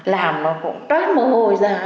làm nó cũng toát mồ hôi ra